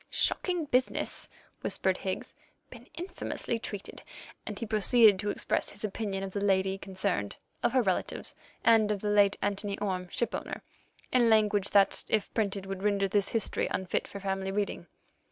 "Shocking business," whispered Higgs; "been infamously treated," and he proceeded to express his opinion of the lady concerned, of her relatives, and of the late Anthony Orme, shipowner, in language that, if printed, would render this history unfit for family reading.